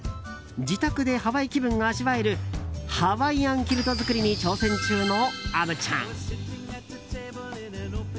自宅でハワイ気分が味わえるハワイアンキルト作りに挑戦中の虻ちゃん。